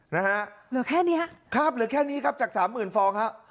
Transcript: เหลือแค่นี้จากสามหมื่นฟองครับ